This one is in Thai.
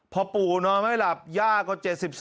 พอปู่นอนไม่หลับย่าก็๗๒